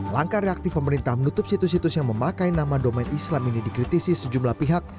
langkah reaktif pemerintah menutup situs situs yang memakai nama domain islam ini dikritisi sejumlah pihak